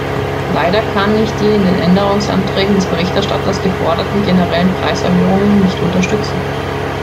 Leider kann ich die in den Änderungsanträgen des Berichterstatters geforderten generellen Preiserhöhungen nicht unterstützen.